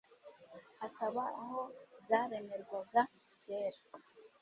hakaba aho zaremerwaga kera ,